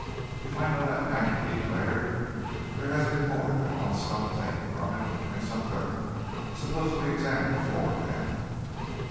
"If I know that bank," he declared, "there has been more than one stone taken from it, and some dirt. Suppose we examine the floor, ma'am."